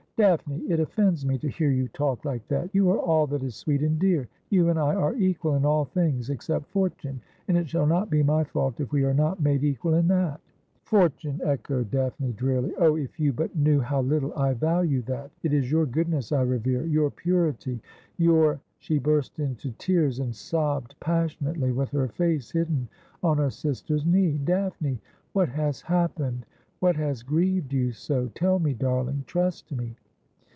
' Daphne, it offends me to hear you talk like that. You are all that is sweet and dear. You and I are equal in all things, except fortune : and it shall not be my fault if we are not made equal in that.' ' Fortune !' echoed Daphne drearily. ' Oh, if you but knew how little I value that. It is your goodness I revere — your purity, your —' She burst into tears, and sobbed passionately, with her face hidden on her sister's knee. 'Daphne, what has happened — what has grieved you so? Tell me, darling ; trust me.'